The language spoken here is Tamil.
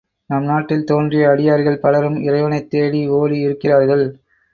நம் நாட்டில் தோன்றிய அடியார்கள் பலரும் இறைவனைத் தேடி ஓடி இருக்கிறார்கள்.